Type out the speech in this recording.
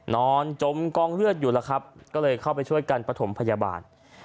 นอนจมกองเลือดอยู่แล้วครับก็เลยเข้าไปช่วยกันประถมพยาบาล